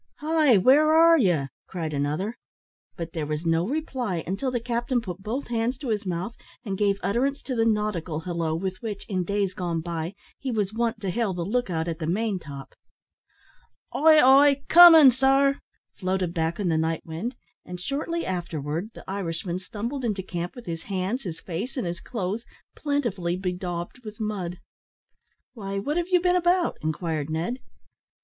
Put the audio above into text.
"Hi! where are you?" cried another. But there was no reply, until the captain put both hands to his mouth, and gave utterance to the nautical halloo with which, in days gone by, he was wont to hail the look out at the main top. "Ay, ay, comin' sir r," floated back on the night wind; and, shortly afterwards, the Irishman stumbled into camp with his hands, his face, and his clothes plentifully bedaubed with mud. "Why, what have you been about?" inquired Ned.